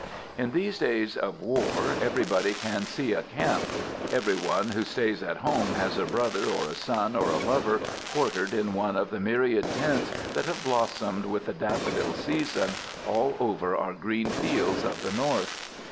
In these days of war everybody can see a camp. Every one who stays at home has a brother or a son or a lover quartered in one of the myriad tents that have blossomed with the daffodil season all over our green fields of the North.